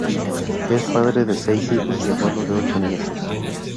Es padre de seis hijos y abuelo de ocho nietos.